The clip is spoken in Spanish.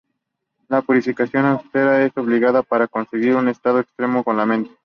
La purificación austera es obligatoria para conseguir un estado extremo con la mente.